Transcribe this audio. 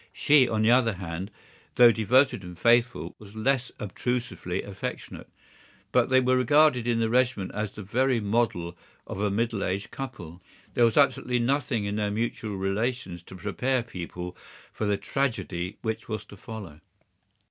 She, on the other hand, though devoted and faithful, was less obtrusively affectionate. But they were regarded in the regiment as the very model of a middle aged couple. There was absolutely nothing in their mutual relations to prepare people for the tragedy which was to follow.